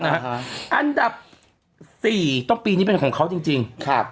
อันดับ๔ต้องปีนี่เป็นของเค้าจริง